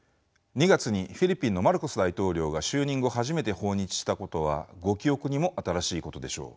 ２月にフィリピンのマルコス大統領が就任後初めて訪日したことはご記憶にも新しいことでしょう。